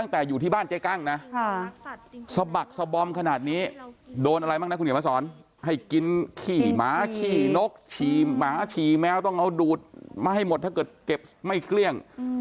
ถูกอะไรก็แล้วแต่เนี่ย